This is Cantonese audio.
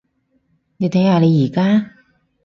你睇下你而家？